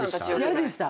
嫌でした。